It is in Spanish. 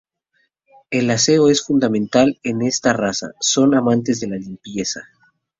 El aseo es fundamental en esta raza, son amantes de la limpieza.